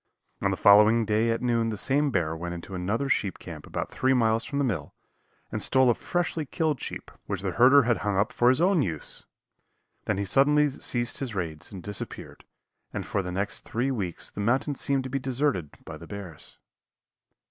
On the following day at noon the same bear went into another sheep camp about three miles from the mill, and stole a freshly killed sheep, which the herder had hung up for his own use. Then he suddenly ceased his raids and disappeared and for the next three weeks the mountain seemed to be deserted by the bears.